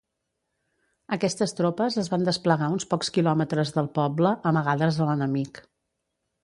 Aquestes tropes es van desplegar uns pocs quilòmetres del poble, amagades a l'enemic.